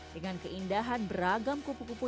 dengan keindahan beragam pupu pupu